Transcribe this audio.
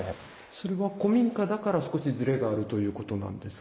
それは古民家だから少しずれがあるということなんですか？